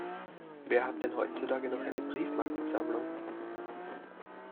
Wer hat denn heutzutage noch eine Briefmarkensammlung?